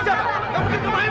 dia tidak resid sati